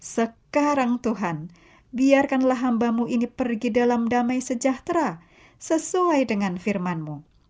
sekarang tuhan biarkanlah hambamu ini pergi dalam damai sejahtera sesuai dengan firmanmu